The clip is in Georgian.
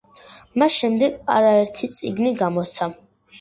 მას შემდეგ არაერთი წიგნი გამოსცა.